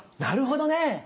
なるほどね。